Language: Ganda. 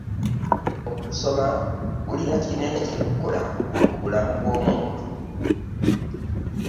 Okusoma kulina kinene kye kukola mu bulamu bw'omuntu.